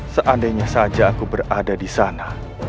seandainya saja aku berada di sana